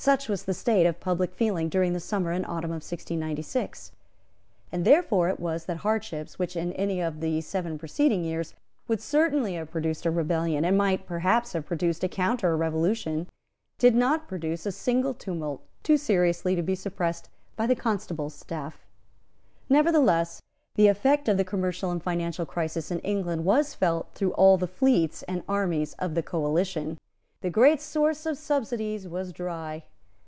Such was the state of public feeling during the summer and autumn of 1696; and therefore it was that hardships which, in any of the seven preceding years, would certainly have produced a rebellion, and might perhaps have produced a counterrevolution, did not produce a single tumult too serious to be suppressed by the constable's staff. Nevertheless, the effect of the commercial and financial crisis in England was felt through all the fleets and armies of the coalition. The great source of subsidies was dry.